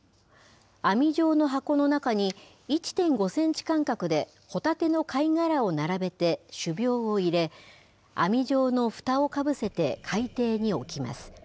網状の箱の中に、１．５センチ間隔でホタテの貝殻を並べて種苗を入れ、網状のふたをかぶせて海底に置きます。